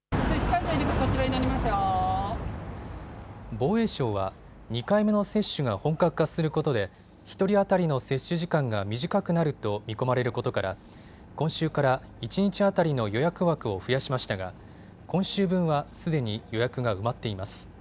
防衛省は２回目の接種が本格化することで１人当たりの接種時間が短くなると見込まれることから今週から一日当たりの予約枠を増やしましたが今週分は、すでに予約が埋まっています。